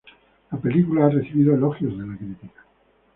La película ha recibido elogios de la crítica.